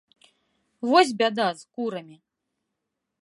Вось бяда з курамі!